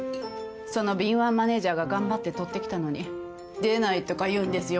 その敏腕マネジャーが頑張って取ってきたのに出ないとか言うんですよ